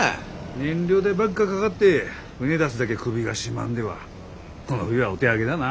燃料代ばっかかがって船出すだげ首が絞まんではこの冬はお手上げだな。